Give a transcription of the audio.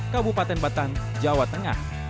kabupaten batang jawa tengah